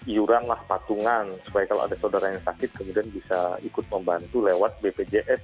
iuranlah patungan supaya kalau ada saudara yang sakit kemudian bisa ikut membantu lewat bpjs